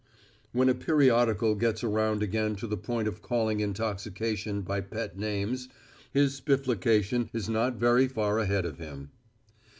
When a periodical gets around again to the point of calling intoxication by pet names his next spiflication is not very far ahead of him.